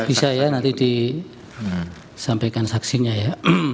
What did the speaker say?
bisa ya nanti disampaikan saksinya ya